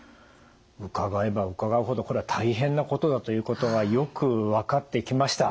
伺えば伺うほどこれは大変なことだということがよく分かってきました。